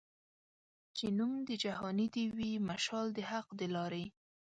چي نوم د جهاني دي وي مشال د حق د لاري